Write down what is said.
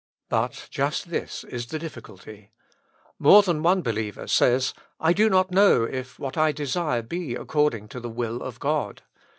But just this is the difficulty. More than one be liever says :" I do not know if what I desire be according to the will of God.